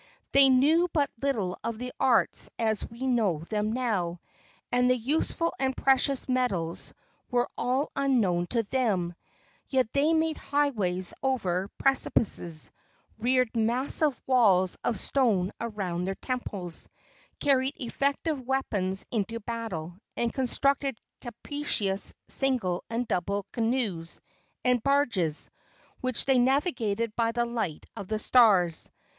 They knew but little of the arts as we know them now, and the useful and precious metals were all unknown to them; yet they made highways over the precipices, reared massive walls of stone around their temples, carried effective weapons into battle, and constructed capacious single and double canoes and barges, which they navigated by the light of the stars.